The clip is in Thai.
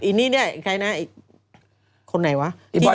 อีกคนไหนวะ